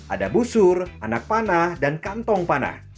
ada busur anak panah dan kantong panah